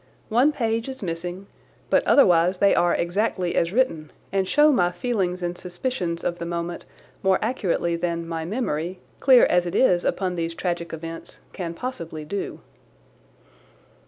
One page is missing, but otherwise they are exactly as written and show my feelings and suspicions of the moment more accurately than my memory, clear as it is upon these tragic events, can possibly do.